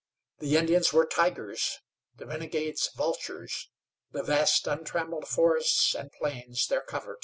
The Indians were tigers, the renegades vultures, the vast untrammeled forests and plains their covert.